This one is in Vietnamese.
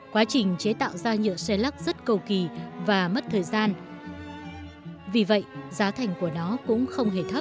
quá trình chế tạo ra nhựa xe lắc rất cầu kỳ và mất thời gian vì vậy giá thành của nó cũng không hề thấp